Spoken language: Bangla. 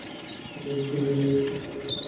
যথেষ্ট হয়েছে, জিনিয়াস পাগলামির অভিনয় করেন?